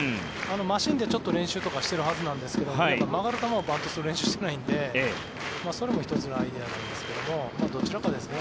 マシンで練習をしてるはずなんですが曲がる球をバントする練習をしていないのでそれも１つのアイデアなんですけどどちらかですね。